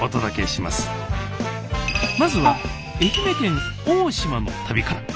まずは愛媛県大島の旅から。